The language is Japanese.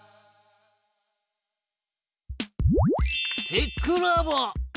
テックラボ。